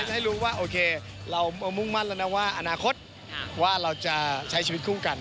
ให้รู้ว่าโอเคเรามุ่งมั่นแล้วนะว่าอนาคตว่าเราจะใช้ชีวิตคู่กัน